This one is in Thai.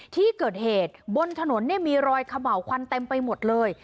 ที่เกิดเหตุบนถนนมีรอยขะเบาควันเต็มไปหมดเลย